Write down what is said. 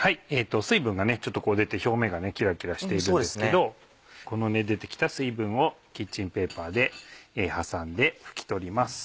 水分がちょっと出て表面がキラキラしているんですけどこの出て来た水分をキッチンペーパーで挟んで拭き取ります。